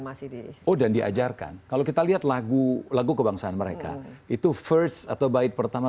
masih di oh dan diajarkan kalau kita lihat lagu lagu kebangsaan mereka itu first atau baik pertama